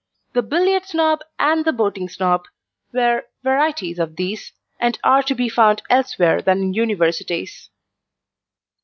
The Billiard Snob and the Boating Snob were varieties of these, and are to be found elsewhere than in universities.